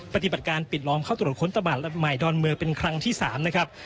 ปฏิบัติการปิดล้อมเข้าตรวจค้นตลาดใหม่ดอนเมืองเป็นครั้งที่๓นะครับ